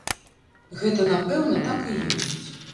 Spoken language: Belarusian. Гэта, напэўна, так і ёсць.